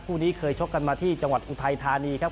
คู่นี้เคยชกกันมาที่จังหวัดอุทัยธานีครับ